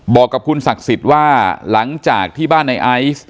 บอกกับคุณศักดิ์สิทธิ์ว่าหลังจากที่บ้านในไอซ์